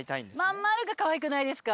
真ん丸がかわいくないですか？